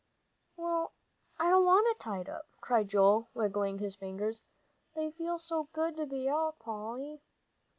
"I don't want it tied up," cried Joel, wiggling his fingers; "they feel so good to be out, Polly."